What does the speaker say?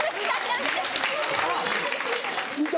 見た？